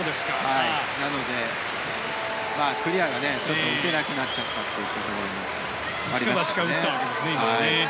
なので、クリアがちょっと打てなくなっちゃったというところもありましたね。